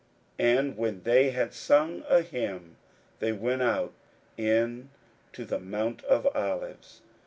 41:014:026 And when they had sung an hymn, they went out into the mount of Olives.